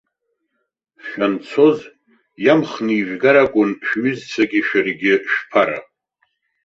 Шәанцоз иамхны ижәгар акәын шәҩызцәагьы шәаргьы шәԥара.